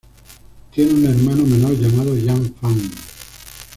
Tiene un hermano menor llamado Yan Fan.